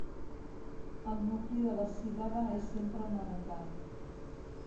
El nucli de la síl·laba és sempre una vocal.